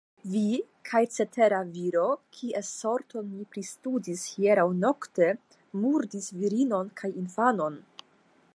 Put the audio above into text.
Vi kaj cetera viro, kies sorton mi pristudis hieraŭnokte, murdis virinon kaj infanon.